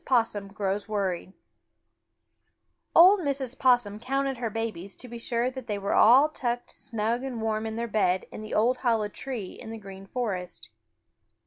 POSSUM GROWS WORRIED Old Mrs. Possum counted her babies to be sure that they all were tucked snug and warm in their bed in the old hollow tree in the Green Forest.